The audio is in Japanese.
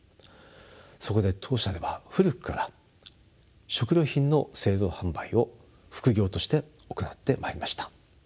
そこで当社では古くから食料品の製造販売を副業として行ってまいりました。